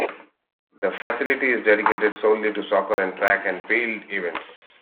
The facility is dedicated solely to soccer and track and field events.